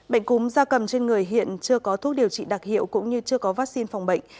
bệnh cúm da cầm trên người hiện chưa có thuốc điều trị đặc hiệu cũng như chưa có vaccine phòng bệnh